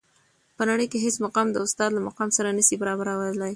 په نړۍ کي هیڅ مقام د استاد له مقام سره نسي برابري دلای.